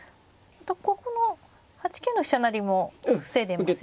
ここの８九の飛車成りも防いでますよね。